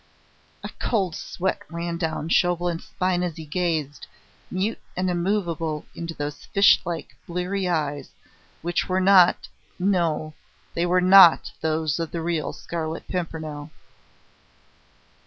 A cold sweat ran down Chauvelin's spine as he gazed, mute and immovable, into those fish like, bleary eyes, which were not no! they were not those of the real Scarlet Pimpernel.